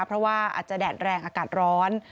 เพราะว่าอาจจะแดดแรงอากาศร้อน